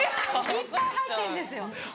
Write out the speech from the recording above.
いっぱい入ってるんですよ。